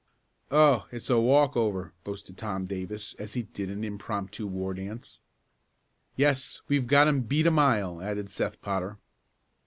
"Oh, it's a walk over," boasted Tom Davis as he did an impromptu war dance. "Yes, we've got 'em beat a mile," added Seth Potter.